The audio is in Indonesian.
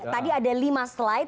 tadi ada lima slide